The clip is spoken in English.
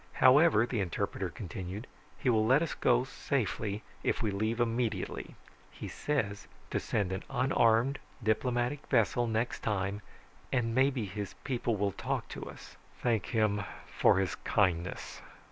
"However," the interpreter continued, "he will let us go safely if we leave immediately. He says to send an unarmed, diplomatic vessel next time and maybe his people will talk to us." "Thank him for his kindness."